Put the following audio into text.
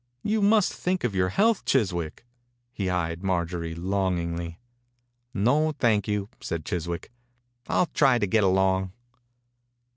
You must think of your health, Chiswick." He eyed Marjorie longingly. « No, thank you," said Chis wick. "I'll try to get along."